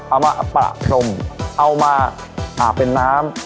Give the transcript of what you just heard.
เอามาประพรมเอามาเป็นน้ำ